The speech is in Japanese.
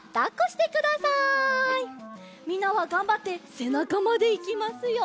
みんなはがんばってせなかまでいきますよ。